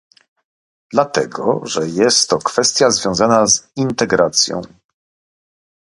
Dlatego, że jest to kwestia związana z integracją?